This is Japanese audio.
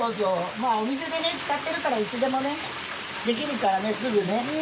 まあお店でね使ってるからいつでもねできるからねすぐね。